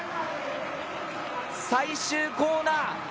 最終コーナー